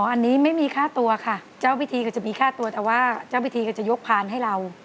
อันนี้ไม่มีค่าตัวค่ะเจ้าพิธีก็จะมีค่าตัวแต่ว่าเจ้าพิธีก็จะยกพานให้เรา